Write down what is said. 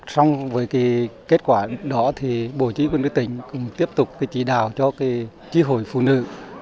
xong với kết quả đó thì bộ chỉ huy quân sự tỉnh cũng tiếp tục chỉ đào cho chỉ hội phụ nữ